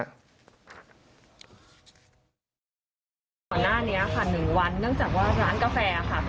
ก่อนหน้านี้ค่ะ๑วันเนื่องจากว่าร้านกาแฟค่ะ